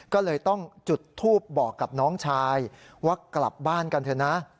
ก็เลยต้องจุดทูปบอกกับน้องชายว่ากลับบ้านกันเถอะนะ